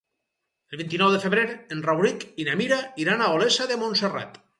El vint-i-nou de febrer en Rauric i na Mira iran a Olesa de Montserrat.